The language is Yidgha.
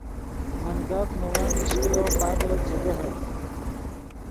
من گپ نے ون ایش کلو پادو چے دیہے